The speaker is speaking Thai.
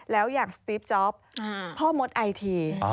แล้วอย่างสติฟจ๊อปพ่อมดไอที